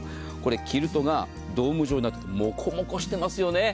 キルトがドーム状になってモコモコしてますよね。